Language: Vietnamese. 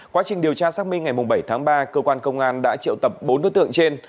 quá trình điều tra xác minh ngày bảy tháng ba cơ quan công an đã triệu tập bốn đối tượng trên